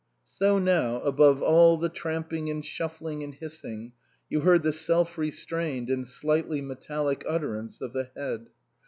So now, above all the tramping and shuffling and hissing, you heard the self restrained and slightly metallic utterance of the Head.